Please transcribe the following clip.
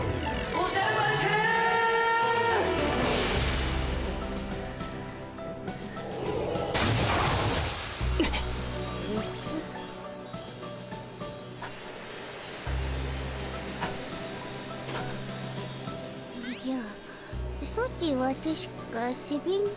おじゃ。